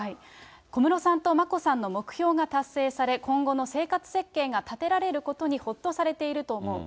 小室さんと眞子さんの目標が達成され、今後の生活設計が立てられることにほっとされていると思う。